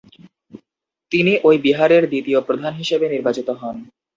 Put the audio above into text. তিনি ঐ বিহারের দ্বিতীয় প্রধান হিসেবে নির্বাচিত হন।